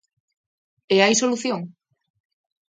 E hai solución?